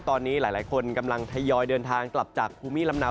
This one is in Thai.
ตอนนี้หลายคนกำลังทยอยเดินทางกลับจากภูมิลำเนา